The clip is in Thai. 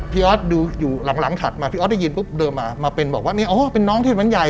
พี่อ๊อตดูอยู่หลังถัดมาพี่อ๊อตได้ยินปุ๊บเดินมามาเป็นบอกว่าเนี่ยโอ้โฮเป็นน้องที่สำเมิญใหญ่